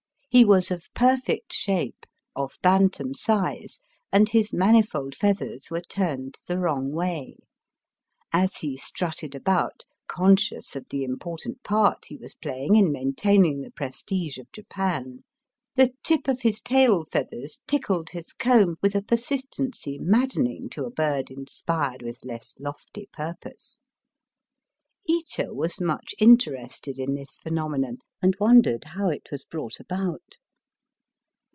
He was of perfect shape, of bantam size, and his mani fold feathers were turned the wrong way. As he strutted about, conscious of the important part he was playing in maintaining the prestige of Japan, the tip of his tail feathers tickled his comb with a persistency maddening to a bird inspired with l^ss lofty purpose. Ito was much interested in this phenomenon, and wondered how it was brought about.